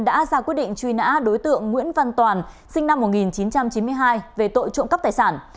đã ra quyết định truy nã đối tượng nguyễn văn toàn sinh năm một nghìn chín trăm chín mươi hai về tội trộm cắp tài sản